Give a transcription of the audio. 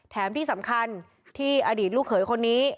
แถมที่สำคัญที่อดีตลูกเขยคนนี้